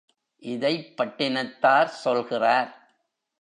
இதைப் பட்டினத்தார் சொல்கிறார்.